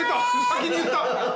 先に言った。